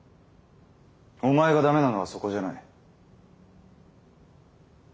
お前が駄目なのはそこじゃない。